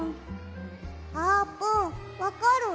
あーぷんわかる？